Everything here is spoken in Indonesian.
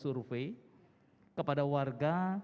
survei kepada warga